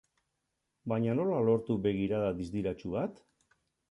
Baina nola lortu begirada distiratsu bat?